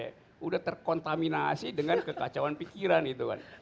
sudah terkontaminasi dengan kekacauan pikiran itu kan